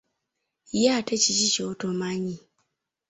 Ye ate kiki ky'otomanyi?